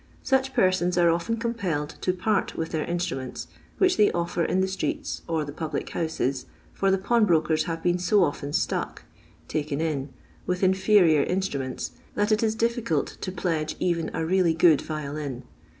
Such persons are often compelled to part with their instruments, which they offer in the streets or the public houses, for the pawn brokers have been so often "stuck" (taken in) with inferior instruments, that it is difficult tu pledge even a really good violin.